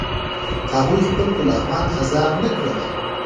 هغوی خپل غلامان آزاد نه کړل.